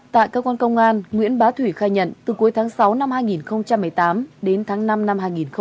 tại cơ quan công an nguyễn bá thủy khai nhận từ cuối tháng sáu năm hai nghìn một mươi tám đến tháng năm năm hai nghìn một mươi chín